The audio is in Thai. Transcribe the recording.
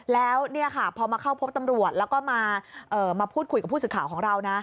แล้วเนี่ยค่ะพอมาเข้าพบตำรวจแล้วก็มาพูดคุยกับผู้สื่อข่าวของเรานะ